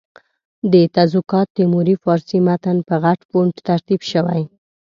د تزوکات تیموري فارسي متن په غټ فونټ ترتیب شوی.